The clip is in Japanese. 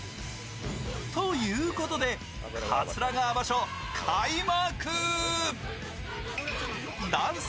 ということで、桂川場所開幕。